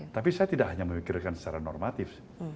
tapi saya tidak hanya memikirkan secara normatif